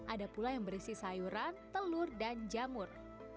ada pula yang berisi sayuran telur dan jamur